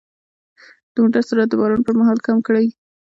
د موټر سرعت د باران پر مهال کم کړئ.